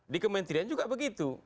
di kementerian juga begitu